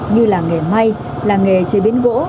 như làng nghề may làng nghề chế biến gỗ